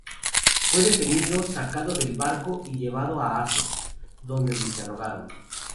Fue detenido, sacado del barco y llevado a Asdod, donde le interrogaron.